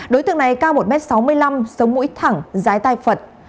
đối tượng này cao một m sáu mươi năm sống mũi thẳng giái tai phật